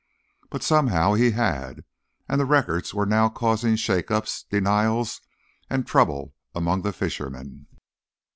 But, somehow, he had, and the records were now causing shakeups, denials and trouble among the fishermen.